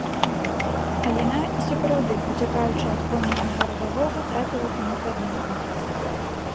А яна, і сапраўды, уцякаючы ад коннага гарадавога, трапіла каню пад ногі.